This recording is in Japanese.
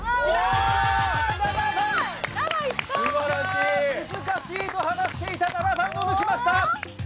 いや難しいと話していた７番を抜きました。